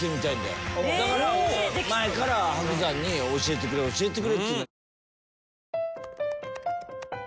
だから前から伯山に「教えてくれ教えてくれ」って。